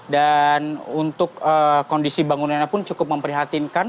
dan untuk kondisi bangunannya pun cukup memprihatinkan